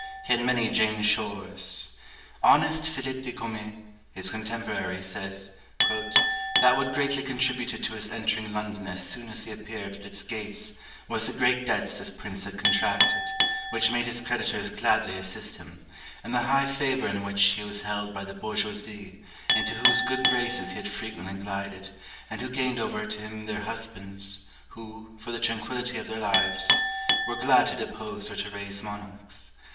He had many Jane Shores. Honest Philip de Comines, his contemporary, says, "That what greatly contributed to his entering London as soon as he appeared at its gates was the great debts this prince had contracted, which made his creditors gladly assist him; and the high favour in which he was held by the bourgeoises, into whose good graces he had frequently glided, and who gained over to him their husbands, who, for the tranquillity of their lives, were glad to depose or to raise monarchs.